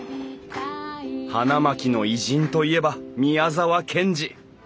花巻の偉人といえば宮沢賢治。